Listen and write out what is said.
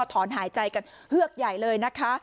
ถอนหายใจกันเฮือกใหญ่เลยนะคะ